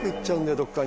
どっかに。